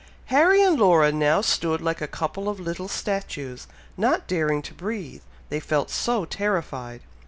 Harry and Laura now stood like a couple of little statues, not daring to breathe, they felt so terrified!